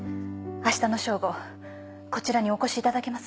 明日の正午こちらにお越し頂けますね？